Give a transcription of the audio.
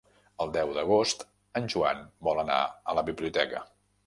El deu d'agost en Joan vol anar a la biblioteca.